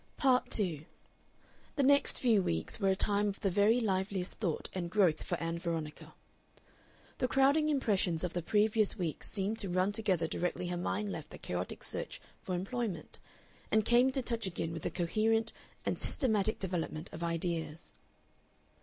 Part 2 The next few weeks were a time of the very liveliest thought and growth for Ann Veronica. The crowding impressions of the previous weeks seemed to run together directly her mind left the chaotic search for employment and came into touch again with a coherent and systematic development of ideas.